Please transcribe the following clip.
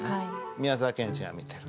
宮沢賢治が見てる。